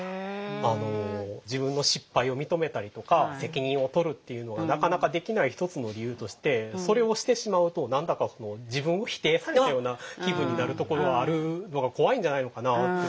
自分の失敗を認めたりとか責任を取るっていうのがなかなかできない一つの理由としてそれをしてしまうと何だか自分を否定されたような気分になるところはあるのが怖いんじゃないのかなと。